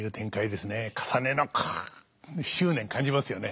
かさねのこう執念感じますよね。